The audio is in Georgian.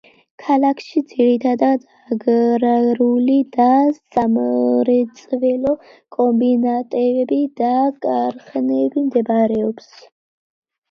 ქალაქში ძირითადად აგრარული და სამრეწველო კომბინატები და ქარხნები მდებარეობს.